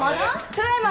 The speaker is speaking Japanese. ただいま！